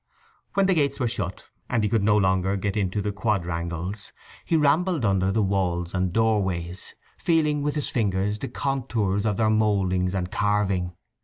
When the gates were shut, and he could no longer get into the quadrangles, he rambled under the walls and doorways, feeling with his fingers the contours of their mouldings and carving.